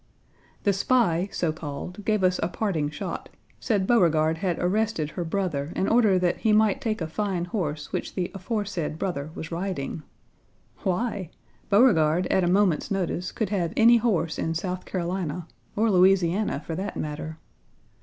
The spy, so called, gave us a parting shot: said Beauregard had arrested her brother in order that he might take a fine horse which the aforesaid brother was riding. Why? Beauregard, at a moment's notice, could have any horse in South Carolina, or Louisiana, for that matter.